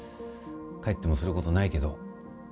帰ってもすることないけど。